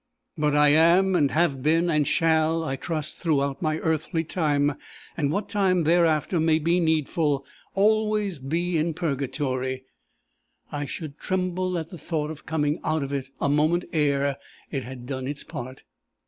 "But I am, and have been, and shall, I trust, throughout my earthly time, and what time thereafter may be needful, always be in Purgatory. I should tremble at the thought of coming out of it a moment ere it had done its part.